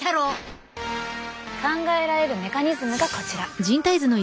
考えられるメカニズムがこちら。